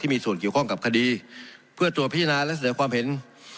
มีส่วนเกี่ยวข้องกับคดีเพื่อตรวจพิจารณาและเสนอความเห็น